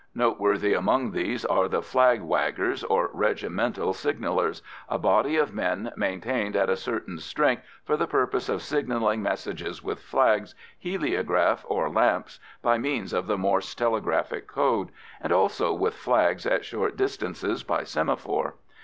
Noteworthy among these are the "flag waggers" or regimental signallers, a body of men maintained at a certain strength for the purpose of signalling messages with flags, heliograph, or lamps, by means of the Morse telegraphic code, and also with flags at short distances by semaphore.